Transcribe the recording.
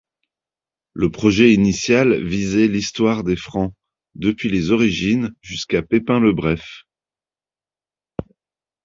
Le projet initial visait l'histoire des Francs depuis les origines jusqu'à Pépin le Bref.